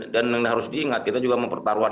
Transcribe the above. dan harus diingat kita juga mempertaruhan